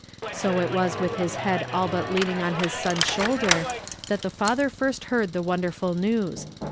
So it was with his heail all but 1 ing on his son's shoulder that the father first heard ean the wonderful news.